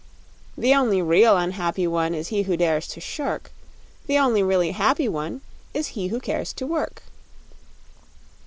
The only real unhappy one Is he who dares to shirk; The only really happy one Is he who cares to work.